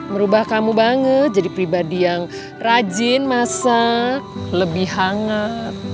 merubah kamu banget jadi pribadi yang rajin masak lebih hangat